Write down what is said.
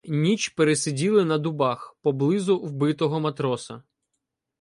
Ніч пересиділи на дубах поблизу вбитого матроса.